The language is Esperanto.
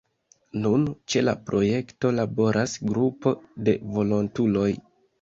Nun ĉe la projekto laboras grupo de volontuloj.